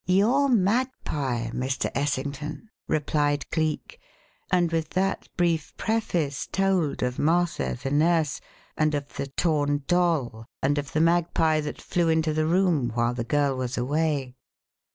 "Your magpie, Mr. Essington," replied Cleek, and with that brief preface told of Martha, the nurse, and of the torn doll and of the magpie that flew into the room while the girl was away.